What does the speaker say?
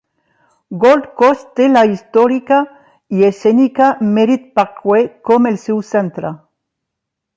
Gold Coast té la històrica i escènica Merritt Parkway com el seu centre.